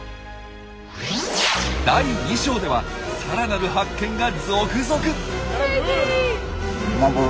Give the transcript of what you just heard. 第２章ではさらなる発見が続々！